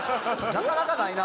なかなかないな。